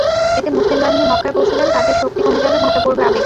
এতে মুসলিম বাহিনী মক্কায় পৌঁছলেও তাদের শক্তি কমে যাবে, ভাটা পড়বে আবেগে।